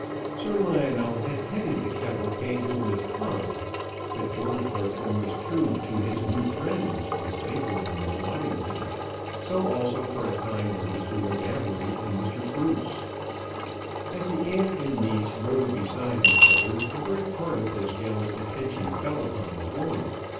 Sir Lionel had headed the cavalcade with Miss Todd, but George Bertram was true to his new friends, Miss Baker and Miss Waddington. So also, for a time, were Mr. M'Gabbery and Mr. Cruse. As the aunt and niece rode beside each other, a great part of this gallant attention fell upon the former.